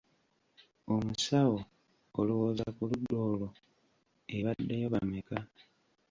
Omusawo, olowooza ku ludda olwo ebaddeyo bameka?